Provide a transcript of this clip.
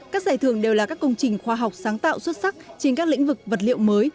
các giải thưởng đều là các công trình khoa học sáng tạo xuất sắc trên các lĩnh vực vật liệu mới